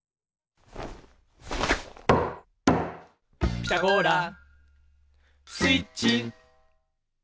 「ピタゴラスイッチ」